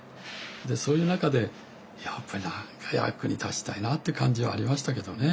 でそういう中でやっぱり何か役に立ちたいなって感じはありましたけどね。